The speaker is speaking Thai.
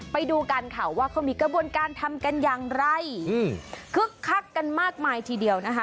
ไปดูกันค่ะว่าเขามีกระบวนการทำกันอย่างไรคึกคักกันมากมายทีเดียวนะคะ